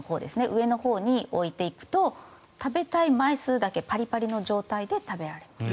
上のほうに置いておくと食べたい枚数だけパリパリの状態で食べられる。